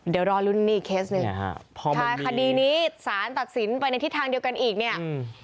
เดี๋ยวรอลุ้นนี่อีกเคสหนึ่งใช่คดีนี้สารตัดสินไปในทิศทางเดียวกันอีกเนี่ย